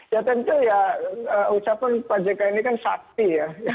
ya tentu ya ucapan pak jk ini kan sakti ya